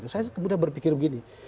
saya kemudian berpikir begini